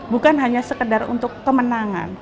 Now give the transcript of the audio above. bukan hanya sekedar untuk kemenangan